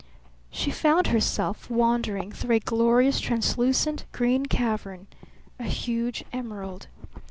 She found herself wandering through a glorious translucent green cavern a huge emerald.